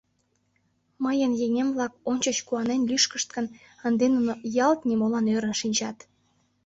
Мыйын еҥем-влак ончыч куанен лӱшкышт гын, ынде нуно ялт нимолан ӧрын шинчат.